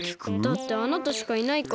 だってあなたしかいないから。